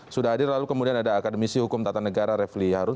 sudah hadir lalu kemudian ada akademisi hukum tata negara refli harun